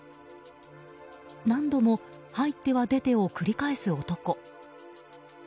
何度も入っては出てを繰り返す男。